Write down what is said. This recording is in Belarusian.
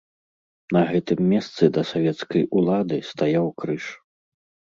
На гэтым месцы да савецкай улады стаяў крыж.